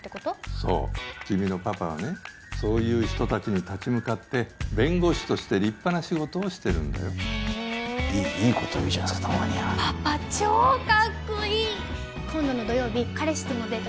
そう君のパパはねそういう人達に立ち向かって弁護士として立派な仕事をしてるんだよへえいいいいこと言うじゃないですかパパ超カッコイイ今度の土曜日彼氏とのデート